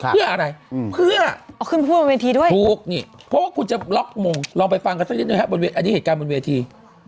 เพื่ออะไรเพื่อเอาขึ้นพูดบนเวทีด้วยถูกนี่เพราะว่าคุณจะล็อกมงลองไปฟังกันสักนิดนึงครับอันนี้เหตุการณ์บนเวที